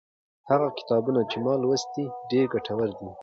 هغه کتابونه چې ما لوستي، ډېر ګټور دي.